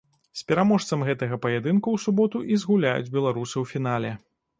З пераможцам гэтага паядынку ў суботу і згуляюць беларусы ў фінале.